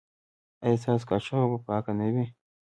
ایا ستاسو کاشوغه به پاکه نه وي؟